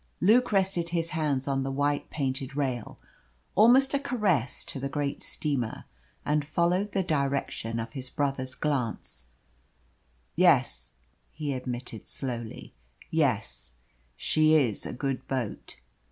Luke rested his hands on the white painted rail almost a caress to the great steamer and followed the direction of his brother's glance, "Yes," he admitted slowly, "yes, she is a good boat."